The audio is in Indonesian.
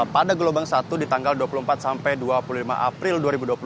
pada gelombang satu di tanggal dua puluh empat sampai dua puluh lima april dua ribu dua puluh satu